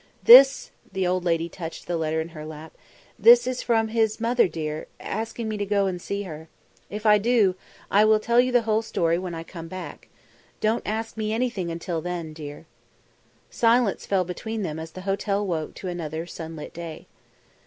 "This" the old lady touched the letter in her lap "this is from his, mother, dear, asking me to go and see her. If I do, I will tell you the whole story when I come back. Don't ask me anything until then, dear." Silence fell between them as the hotel woke to another sunlit day.